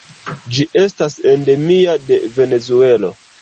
Ĝi estas endemia de Venezuelo.